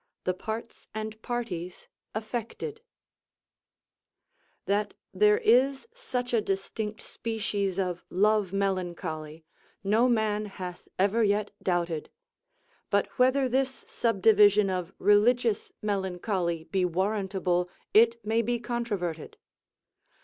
The parts and parties affected_. That there is such a distinct species of love melancholy, no man hath ever yet doubted: but whether this subdivision of Religious Melancholy be warrantable, it may be controverted.